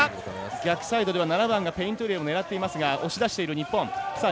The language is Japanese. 逆サイドでは７番がペイントエリアを狙っていますが押し出している日本。